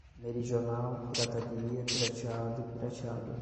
meridional, pirataria, pirateado, pirateada